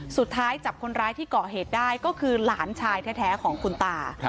สุดท้ายจับคนร้ายที่เกาะเหตุได้ก็คือหลานชายแท้ของคุณตา